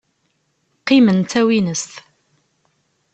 Qqimen d tawinest.